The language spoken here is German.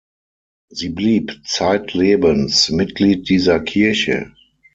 Sie blieb zeitlebens Mitglied dieser Kirche.